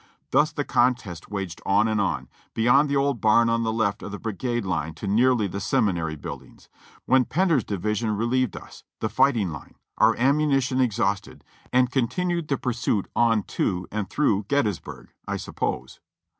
Thus the contest waged on and on, beyond the old barn on the left of the brigade line to nearly the seminary buildings, when Pender's division relieved us, the fighting line, our ammunition exhausted, and continued the pursuit on to and through Gettysburg, I sup pose.